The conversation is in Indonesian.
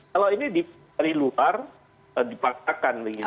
kalau ini dari luar dipaksakan